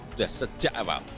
sudah sejak awal